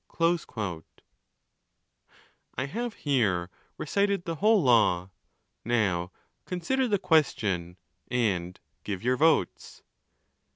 'I have here recited the whole law; now, consider the question, and give your votes.